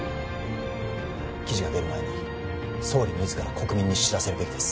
記事が出る前に総理みずから国民に知らせるべきです